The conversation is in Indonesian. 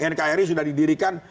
nkri sudah didirikan